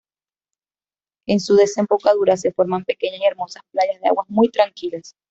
En su desembocadura se forman pequeñas y hermosas playas de aguas muy tranquilas.